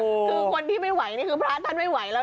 คือคนที่ไม่ไหวนี่คือพระท่านไม่ไหวแล้ว